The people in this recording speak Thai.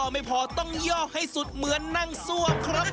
ไม่พอต้องย่อให้สุดเหมือนนั่งซ่วมครับ